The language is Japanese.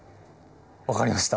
分かりました